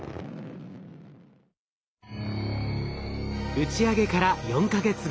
打ち上げから４か月後。